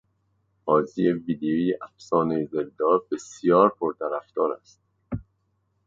بازی ویدیویی افسانهٔ زلدا بسیار پرطرفدار است.